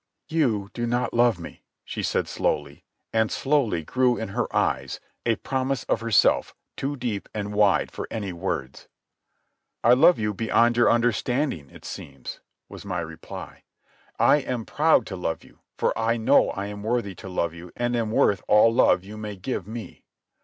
"You do not love me," she said slowly, and slowly grew in her eyes a promise of herself too deep and wide for any words. "I love you beyond your understanding, it seems," was my reply. "I am proud to love you, for I know I am worthy to love you and am worth all love you may give me.